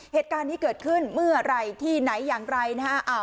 เหตุการณ์นี้เกิดขึ้นเมื่อไหร่ที่ไหนอย่างไรนะฮะ